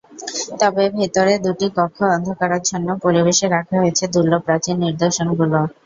তবে ভেতরে দুটি কক্ষে অন্ধকারাচ্ছন্ন পরিবেশে রাখা হয়েছে দুর্লভ প্রাচীন নিদর্শনগুলো।